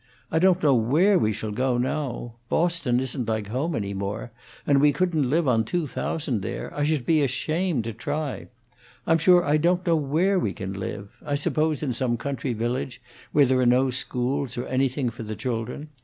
I don't know where we shall go now; Boston isn't like home any more; and we couldn't live on two thousand there; I should be ashamed to try. I'm sure I don't know where we can live on it. I suppose in some country village, where there are no schools, or anything for the children.